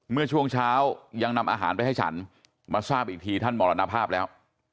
เมื่อช่วงเช้ายังนำอาหารไปให้ฉันมาทราบอีกทีท่านมรณภาพแล้ว